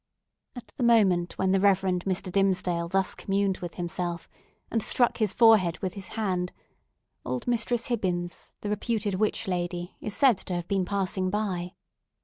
At the moment when the Reverend Mr. Dimmesdale thus communed with himself, and struck his forehead with his hand, old Mistress Hibbins, the reputed witch lady, is said to have been passing by.